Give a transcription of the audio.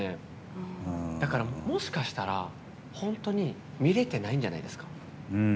だから、もしかしたら本当に見れてないんじゃないですか。